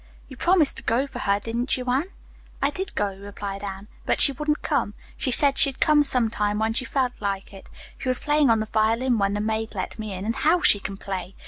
"You promised to go for her, didn't you, Anne?" "I did go," replied Anne, "but she wouldn't come. She said she'd come sometime when she felt like it. She was playing on the violin when the maid let me in, and how she can play!